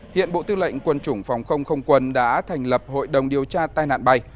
hiện bộ tư lệnh quân chủng phòng không không quân đã thành lập hội đồng điều tra tai nạn bay